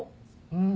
うん。